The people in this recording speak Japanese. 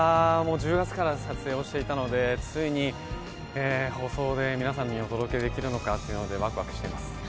１０月から撮影していたのでついに放送で皆さんにお届けできるのかというのでワクワクしています。